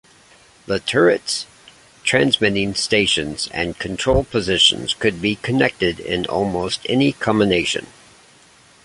The turrets, transmitting stations, and control positions could be connected in almost any combination.